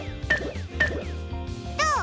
どう？